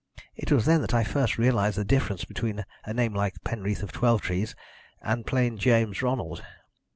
It was then that I first realised the difference between a name like Penreath of Twelvetrees and plain James Ronald.